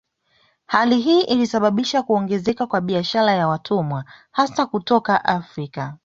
Hali hii ilisababisha kuongezeka kwa biashara ya watumwa hasa kutoka Afrika